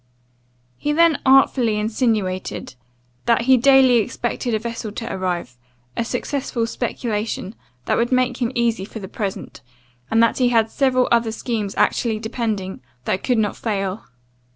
"He then artfully insinuated, 'that he daily expected a vessel to arrive, a successful speculation, that would make him easy for the present, and that he had several other schemes actually depending, that could not fail.